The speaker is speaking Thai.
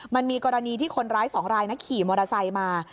มันมีกรณีที่คนร้ายสองรายนะขี่มอเตอร์ไซค์มา